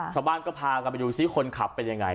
ชาวบ้านก็พากันไปดูซิคนขับเป็นยังไง